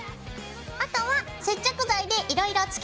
あとは接着剤でいろいろ付けていくよ。